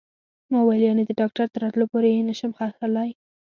ما وویل: یعنې د ډاکټر تر راتلو پورې یې نه شم څښلای؟